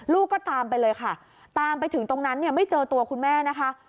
ลูกก็ตามไปเลยค่ะตามไปถึงตรงนั้นเนี่ยไม่เจอตัวคุณแม่นะคะ